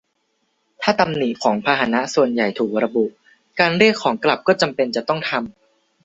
ถ้าตำหนิของพาหนะส่วนใหญ่ถูกระบุ การเรียกของกลับก็จำเป็นจะต้องทำ